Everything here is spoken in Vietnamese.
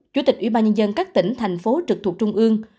chủ tịch ủy ban nhân dân các tỉnh thành phố trực thuộc trung ương